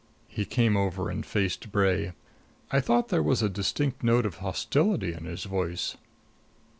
He came over and faced Bray. I thought there was a distinct note of hostility in his voice.